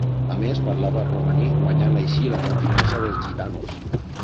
A més, parlava romaní, guanyant així la confiança dels gitanos.